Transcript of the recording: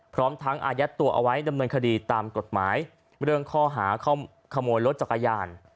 พร้อมทั้งอายัดตัวเอาไว้ดำเนินคดีตามกฎหมายเรื่องข้อหาขโมยรถจักรยาน